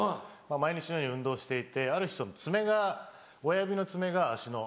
毎日のように運動していてある日爪が親指の爪が足の。